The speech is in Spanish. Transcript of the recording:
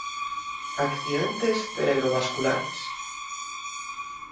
accidentes cerebrovasculares